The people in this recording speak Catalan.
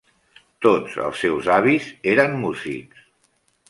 Tots els seus avis eren músics.